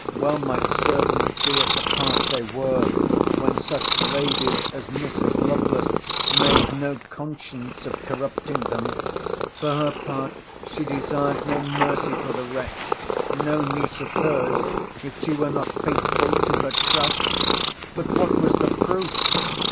—Well might servants be at the pass they were, when such ladies as Mrs. Lovelace made no conscience of corrupting them. For her part she desired no mercy for the wretch; no niece of her's, if she were not faithful to her trust!—But what was the proof?